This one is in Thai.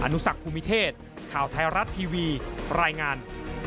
อนุสัตว์ภูมิเทศท่าวทายรัตน์ทีวีรายงาน